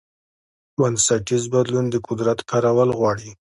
بنسټیز بدلون د قدرت کارول غواړي.